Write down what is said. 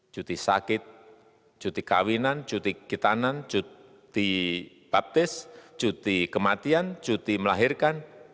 cuti sakit cuti kawinan cuti kitanan cuti baptis cuti kematian cuti melahirkan